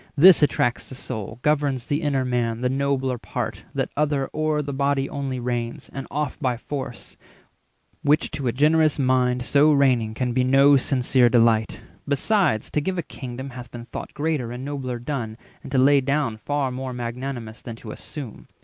This attracts the soul, Governs the inner man, the nobler part; That other o'er the body only reigns, And oft by force—which to a generous mind So reigning can be no sincere delight. 480 Besides, to give a kingdom hath been thought Greater and nobler done, and to lay down Far more magnanimous, than to assume.